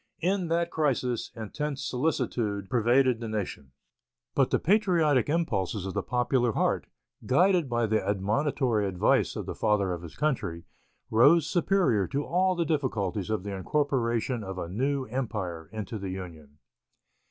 In that crisis intense solicitude pervaded the nation. But the patriotic impulses of the popular heart, guided by the admonitory advice of the Father of his Country, rose superior to all the difficulties of the incorporation of a new empire into the Union.